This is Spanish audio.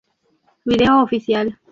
Video oficial